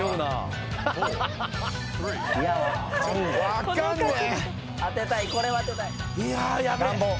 分かんねえ！